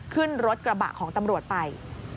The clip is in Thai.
ขึ้นรถกระบะของตำรวจไป